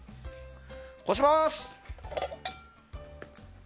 こしまーす！